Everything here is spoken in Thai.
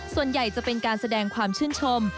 ส่วนใหญ่จะเป็นการแสดงความชื่นชม